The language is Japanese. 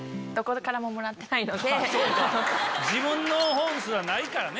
自分の本すらないからね。